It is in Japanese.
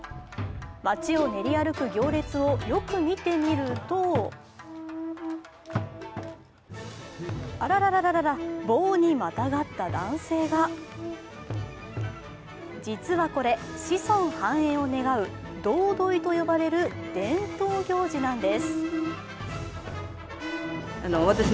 街を練り歩く行列をよく見てみるとあらららら、棒にまたがった男性が実はこれ、子孫繁栄を願うドウドイと呼ばれる伝統行事なんです。